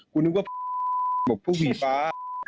กูนึกว่าบอกผู้หญิงฟ้า